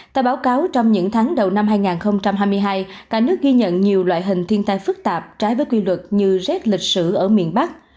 tại báo cáo trong những tháng đầu năm hai nghìn hai mươi hai cả nước ghi nhận nhiều loại hình thiên tai phức tạp trái với quy luật như rét lịch sử ở miền bắc